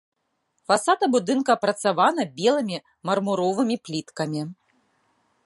Фасады будынка апрацаваны белымі мармуровымі пліткамі.